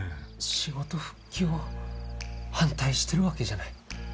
仕事復帰を反対してるわけじゃない。